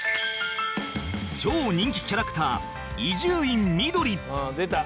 超人気キャラクター「ああ出た！